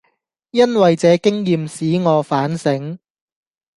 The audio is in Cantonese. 因爲這經驗使我反省，